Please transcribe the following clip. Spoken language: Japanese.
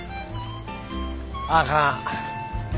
あかん。